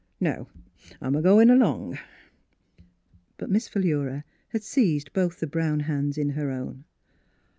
Now I'm a goin' along." But Miss Philura had seized both the brown hands in her own.